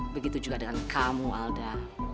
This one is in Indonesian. begitu juga dengan kamu alda